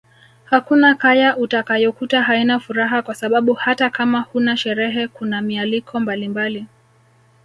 Hakuna kaya utakayokuta haina furaha kwa sababu hata kama huna sherehe kuna mialiko mbalimbali